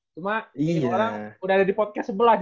cuma orang udah ada di podcast sebelah